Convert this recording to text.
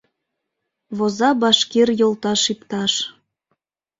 Воза башкир йолташ-ипташ.